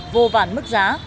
vô vàn mức giá